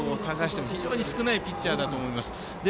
非常に全国を探しても少ないピッチャーだと思います。